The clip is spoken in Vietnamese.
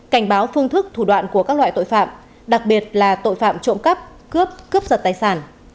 cảnh báo phương thức thủ đoạn của các loại tội phạm đặc biệt là tội phạm trộm cắp cướp cướp giật tài sản